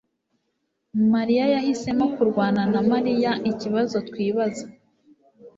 mariya yahisemo kurwana na Mariya ikibazo twibaza